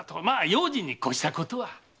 まあ用心にこしたことは。